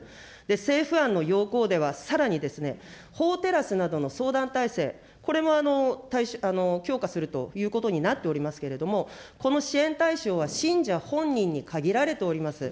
政府案の要綱では、さらに法テラスなどの相談体制、これも強化するということになっておりますけれども、この支援対象は信者本人に限られております。